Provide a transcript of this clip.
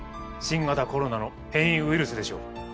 新型コロナの変異ウイルスでしょう。